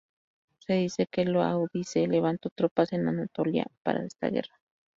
Se dice que Laodice levantó tropas en Anatolia para esta guerra.